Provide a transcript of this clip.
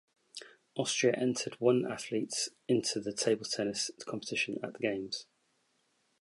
Austria entered one athletes into the table tennis competition at the games.